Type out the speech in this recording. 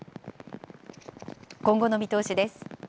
今後の見通しです。